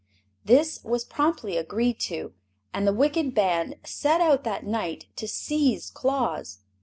This was promptly agreed to, and the wicked band set out that night to seize Claus.